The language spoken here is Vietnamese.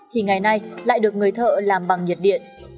thì ngày nay lại được người thợ làm bằng nhiệt điện